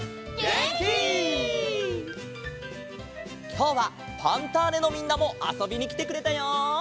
きょうは「ファンターネ！」のみんなもあそびにきてくれたよ！